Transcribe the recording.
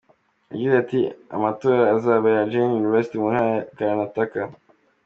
Yagize ati “Amatora azabera Jain University mu ntara ya Karnataka.